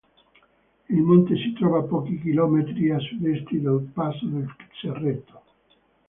Il monte si trova pochi km a sud-est del passo del Cerreto.